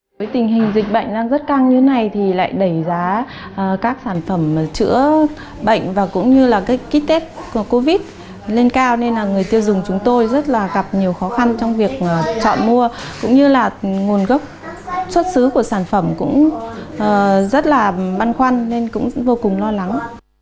với tình hình dịch bệnh đang rất căng như thế này thì lại đẩy giá các sản phẩm chữa bệnh và cũng như là cái kích tết của covid lên cao nên là người tiêu dùng chúng tôi rất là gặp nhiều khó khăn trong việc chọn mua cũng như là nguồn gốc xuất xứ của sản phẩm cũng rất là băn khoăn nên cũng vô cùng lo lắng